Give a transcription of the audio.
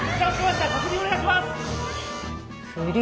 確認お願いします！